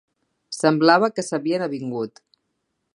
Semblava que s’havien avingut